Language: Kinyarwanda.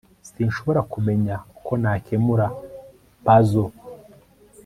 sinshobora kumenya uko nakemura puzzle